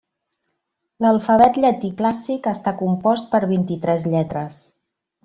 L'alfabet llatí clàssic està compost per vint-i-tres lletres.